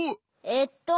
えっと。